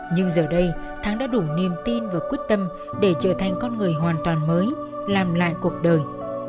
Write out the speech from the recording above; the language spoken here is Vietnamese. nhưng giờ đây tháng đã đủ niềm tin và quyết tâm để trở thành con người hoàn toàn mới làm lại cuộc đời